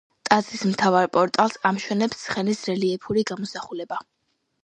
ტაძრის მთავარ პორტალს ამშვენებს ცხენის რელიეფური გამოსახულება.